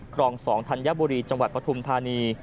กรอง๒ธัญบุรีจังหวัดพระธุมธานี